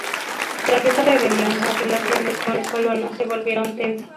Tras esa rebelión las relaciones con los colonos se volvieron tensas.